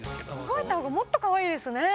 動いた方がもっとかわいいですね。